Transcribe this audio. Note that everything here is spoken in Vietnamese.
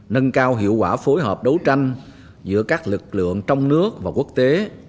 nâng cao hiệu quả phối hợp đấu tranh giữa các lực lượng trong nước và quốc tế